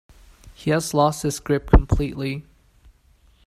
He has lost his grip completely.